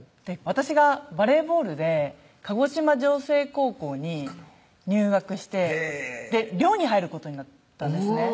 私がバレーボールで鹿児島城西高校に入学してへぇ寮に入ることになったんですね